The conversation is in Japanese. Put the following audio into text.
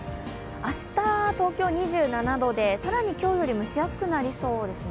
明日、東京２７度で、更に今日より蒸し暑くなりそうです。